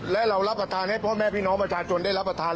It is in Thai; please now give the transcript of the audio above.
และเรารับประทานให้พ่อแม่พี่น้องประชาชนได้รับประทาน